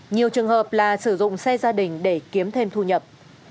nhiều trường hợp là sử dụng xe gia đình để kiếm thêm thu nhập